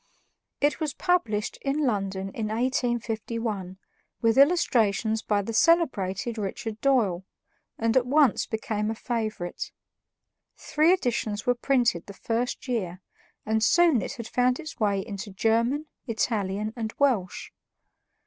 It was published in London in 1851, with illustrations by the celebrated Richard Doyle, and at once became a favorite. Three editions were printed the first year, and soon it had found its way into German, Italian, and Welsh.